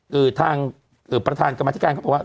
คือทางประธานกรรมธิการเขาบอกว่า